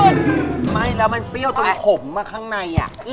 ทำไมพี่น้ำได้อะ